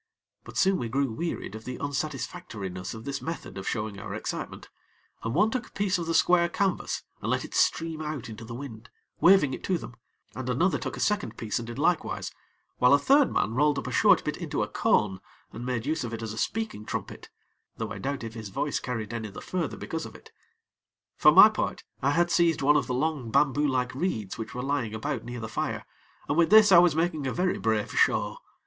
But soon we grew wearied of the unsatisfactoriness of this method of showing our excitement, and one took a piece of the square canvas, and let it stream out into the wind, waving it to them, and another took a second piece and did likewise, while a third man rolled up a short bit into a cone and made use of it as a speaking trumpet; though I doubt if his voice carried any the further because of it. For my part, I had seized one of the long bamboo like reeds which were lying about near the fire, and with this I was making a very brave show.